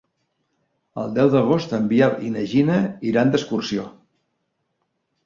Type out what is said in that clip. El deu d'agost en Biel i na Gina iran d'excursió.